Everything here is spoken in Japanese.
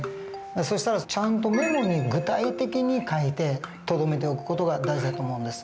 そしたらちゃんとメモに具体的に書いてとどめておく事が大事だと思うんです。